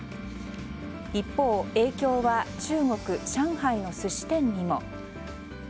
一方、影響は中国・上海の寿司店にも。